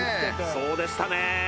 そうでしたね